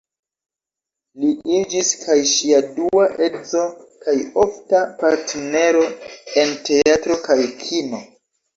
Li iĝis kaj ŝia dua edzo kaj ofta partnero en teatro kaj kino.